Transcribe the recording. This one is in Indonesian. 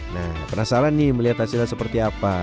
nah penasaran nih melihat hasilnya seperti apa